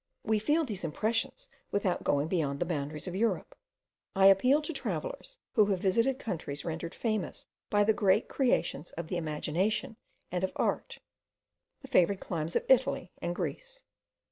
We feel these impressions without going beyond the boundaries of Europe. I appeal to travellers who have visited countries rendered famous by the great creations of the imagination and of art, the favoured climes of Italy and Greece.